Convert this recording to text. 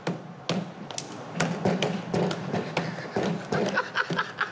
ハハハハハハハ！